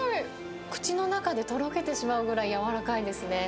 口の中でとろけてしまうぐらい、やわらかいですね。